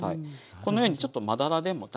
このようにちょっとまだらでも大丈夫です。